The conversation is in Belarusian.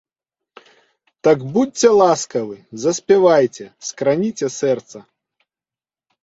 Так, будзьце ласкавы, заспявайце, скраніце сэрца.